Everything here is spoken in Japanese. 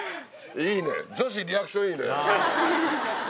いいね。